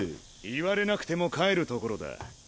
言われなくても帰るところだ。